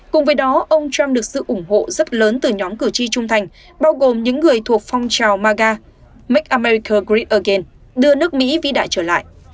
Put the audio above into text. cùng với đó ông trump được sự ủng hộ rất lớn từ nhóm cử tri trung thành bao gồm những người thuộc phong trào maga make america great again đưa nước mỹ vĩ đại trở lại